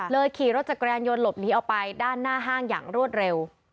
ขี่รถจักรยานยนต์หลบหนีออกไปด้านหน้าห้างอย่างรวดเร็ว